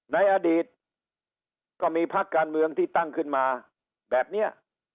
ในอดีตก็มีพักการเมืองที่ตั้งขึ้นมาแบบนี้